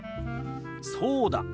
そうだ。